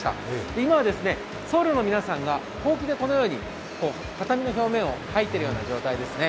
今は僧侶の皆さんがほうきで畳の表面を掃いているような状態ですね。